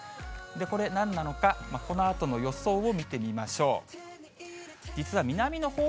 これ、なんなのか、このあとの予想を見てみましょう。